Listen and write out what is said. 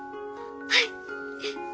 はい！